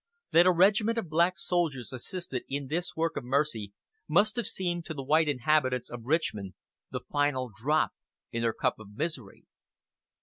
That a regiment of black soldiers assisted in this work of mercy must have seemed to the white inhabitants of Richmond the final drop in their cup of misery.